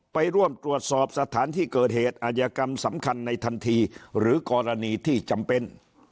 ไปร่วมตรวจสอบสถานที่เกิดเหตุอายกรรมสำคัญในทันทีหรือกรณีที่จำเป็น